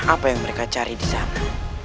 apa yang mereka cari di sana